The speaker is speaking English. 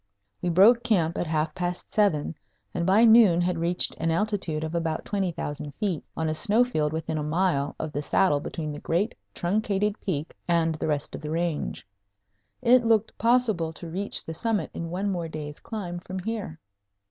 We broke camp at half past seven and by noon had reached an altitude of about 20,000 feet, on a snow field within a mile of the saddle between the great truncated peak and the rest of the range. It looked possible to reach the summit in one more day's climb from here.